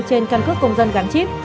trên căn cước công dân gắn chip